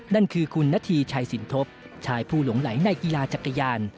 นั่นคือคุณนาธีชัยสินทบชายผู้หลงไหลในกีฬาจักรยาน